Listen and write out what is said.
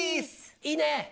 いいね。